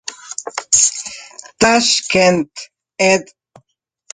Tashkent, ed.